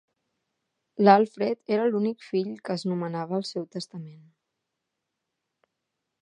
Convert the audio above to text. L'Alfred era l'únic fill que es nomenava el seu testament.